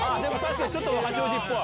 確かにちょっと八王子っぽい。